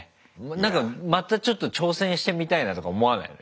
なんかまたちょっと挑戦してみたいなとか思わないの？